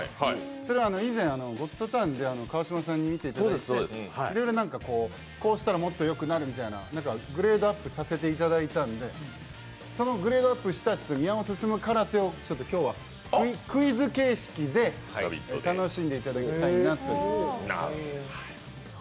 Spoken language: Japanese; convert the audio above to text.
それを以前、「ゴッドタン」で川島さんに見ていただいていろいろこうしたらもっとよくなるみたいな、グレードアップさせていただいたので、そのグレードアップした宮尾すすむ空手を今日はクイズ形式で楽しんでいただきたいなという。